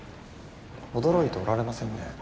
驚いておられませんね。